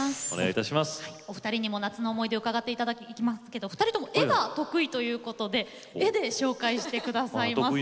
お二人にも夏の思い出を伺っていきますけど２人とも絵が得意ということで絵で紹介して下さいます。